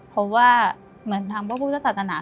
เพราะว่าเหมือนทำบุตรศาสนา